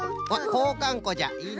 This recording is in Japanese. こうかんこじゃいいの。